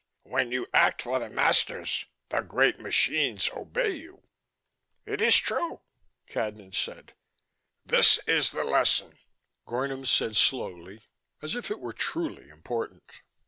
When you act for the masters, the great machines obey you." "It is true," Cadnan said. "This is the lesson," Gornom said slowly, as if it were truly important.